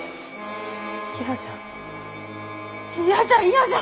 嫌じゃ嫌じゃ嫌じゃ！